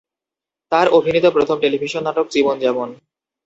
তার অভিনীত প্রথম টেলিভিশন নাটক "জীবন যেমন"।